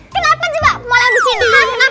kenapa coba mulai disini